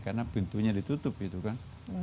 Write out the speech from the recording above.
karena pintunya ditutup gitu kan